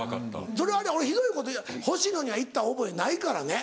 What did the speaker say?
それはね俺ひどいこと星野には言った覚えないからね。